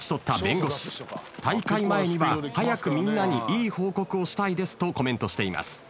大会前には「早くみんなにいい報告をしたいです」とコメントしています。